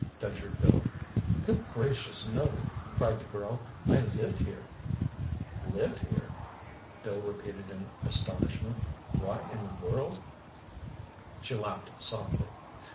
ventured Bill. "Good gracious, no!" cried the girl. "I live here." "Live here?" Bill repeated in astonishment. "Why in the world—" She laughed softly.